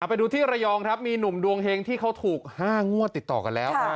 ไปดูที่ระยองครับมีหนุ่มดวงเฮงที่เขาถูก๕งวดติดต่อกันแล้ว